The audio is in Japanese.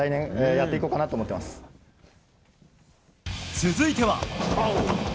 続いては。